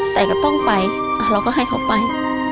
แต่ก็ต้องไปเราก็ให้เขาไป